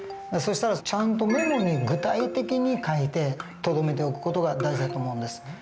そしたらちゃんとメモに具体的に書いてとどめておく事が大事だと思うんです。